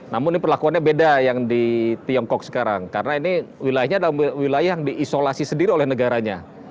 namun ini perlakuannya beda yang di tiongkok sekarang karena ini wilayahnya adalah wilayah yang diisolasi sendiri oleh negaranya